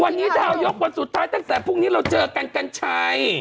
วันนี้ดาวยกวันสุดท้ายตั้งแต่พรุ่งนี้เราเจอกันกัญชัย